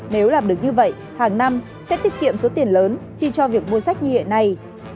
nếu làm được như vậy hàng năm sẽ tiết kiệm số tiền lớn chi cho việc mua sách như hiện nay